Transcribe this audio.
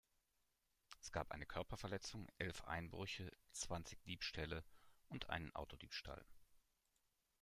Es gab eine Körperverletzung, elf Einbrüche, zwanzig Diebstähle und einen Autodiebstahl.